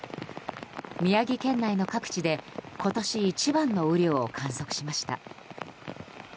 宮城県内の各地で今年一番の雨量を観測しました。